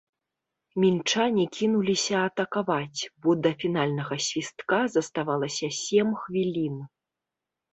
Мінчане кінуліся атакаваць, бо да фінальнага свістка заставалася сем хвілін.